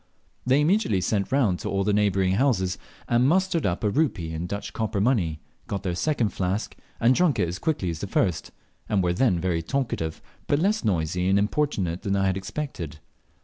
They immediately sent round to all the neighbouring houses, and mustered up a rupee in Dutch copper money, got their second flask, and drunk it as quickly as the first, and were then very talkative, but less noisy and importunate than I had expected.